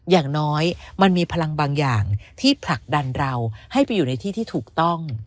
อย่างน้อยมันมีพลังบางอย่างที่ผลักดันเราให้ไปอยู่ในที่ที่ถูกต้อง